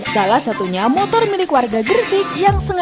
salah satunya motor milik warga gresik yang sengaja